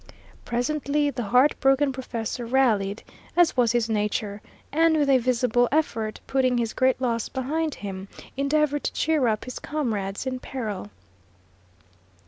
Presently, the heart broken professor rallied, as was his nature, and, with a visible effort putting his great loss behind him, endeavoured to cheer up his comrades in peril.